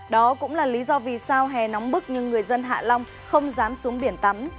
đó cũng là lý do vì sao hè nóng bức nhưng người dân hạ long không dám xuống biển tắm